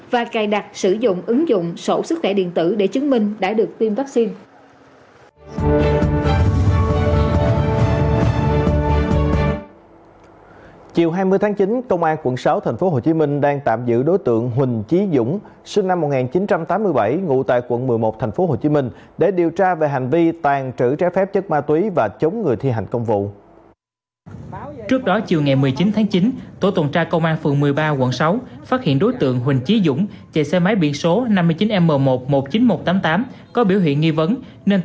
và cài đặt sử dụng ứng dụng sổ sức khỏe điện tử để chứng minh đã được tiêm vaccine